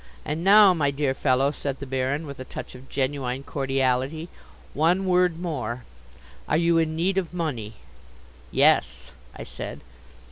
And now, my dear fellow," said the Baron, with a touch of genuine cordiality, "one word more. Are you in need of money?" "Yes," I said.